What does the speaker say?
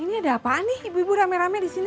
ini ada apaan nih ibu ibu rame rame disini